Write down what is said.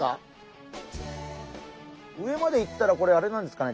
上まで行ったらこれあれなんですかね？